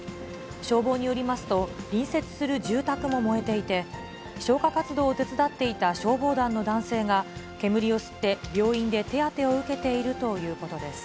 消防によりますと、隣接する住宅も燃えていて、消火活動を手伝っていた消防団の男性が、煙を吸って病院で手当てを受けているということです。